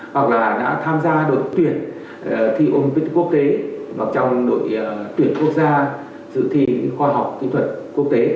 hoặc là đã tham gia đội tuyển thi olympic quốc tế hoặc trong đội tuyển quốc gia dự thi khoa học kỹ thuật quốc tế